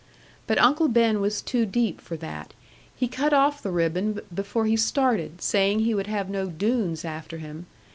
But Uncle Ben was too deep for that; he cut off the ribbon before he started, saying he would have no Doones after him.